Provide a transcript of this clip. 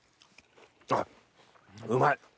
あっうまい！